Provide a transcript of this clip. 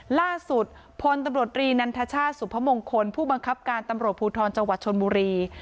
หลักสุดพตรรีนันทชาสุพมงคลผู้บังคับการตำรวจผู้ทรอนจวัตรชลมุรี